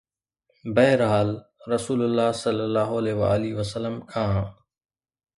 بهرحال، رسول الله ﷺ کان